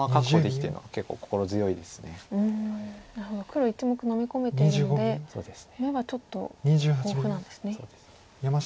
なるほど黒１目のみ込めているので眼はちょっと豊富なんですね。